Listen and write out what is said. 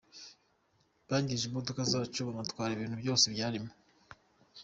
Bangije imodoka zacu banatwara ibintu byose byarimo.